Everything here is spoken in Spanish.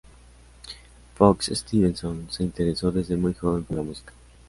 Fox Stevenson se interesó desde muy joven por la música.